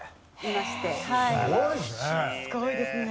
すごいですね。